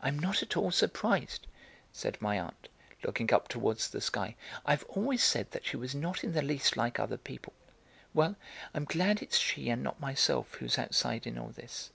"I'm not at all surprised," said my aunt, looking up towards the sky. "I've always said that she was not in the least like other people. Well, I'm glad it's she and not myself who's outside in all this."